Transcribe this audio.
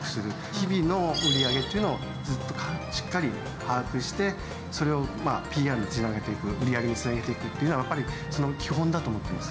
日々の売り上げっていうのをしっかり把握してそれをＰＲにつなげていく売り上げにつなげていくというのはやっぱり基本だと思っています。